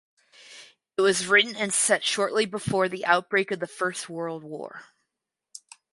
It was written and set shortly before the outbreak of the First World War.